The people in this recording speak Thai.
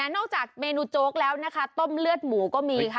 จากเมนูโจ๊กแล้วนะคะต้มเลือดหมูก็มีค่ะ